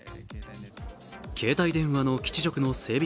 携帯電話の基地局の整備